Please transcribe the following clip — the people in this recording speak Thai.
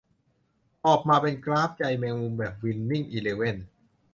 ออกมาเป็นกราฟใยแมงมุมแบบวินนิ่งอีเลเว่น